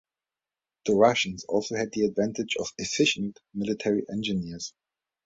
The Russians also had the advantage of efficient military engineers.